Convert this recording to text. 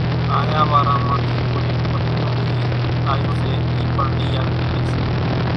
آيا واران مان ٿي ڪونئين ٻڪرون لئِي آيون سي اِي پڻ لئين آوي ۿڳي سي،